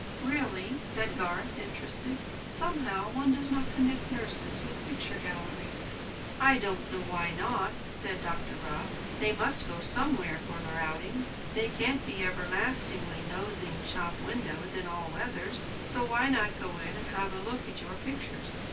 "Really?" said Garth, interested. "Somehow one does not connect nurses with picture galleries." "I don't know why not," said Dr. Rob. "They must go somewhere for their outings. They can't be everlastingly nosing shop windows in all weathers; so why not go in and have a look at your pictures?